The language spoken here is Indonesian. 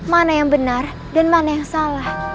mana yang benar dan mana yang salah